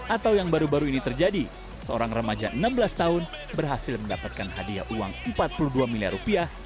atau yang baru baru ini terjadi seorang remaja enam belas tahun berhasil mendapatkan hadiah uang empat puluh dua miliar rupiah